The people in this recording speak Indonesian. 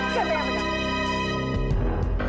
siapa yang pedang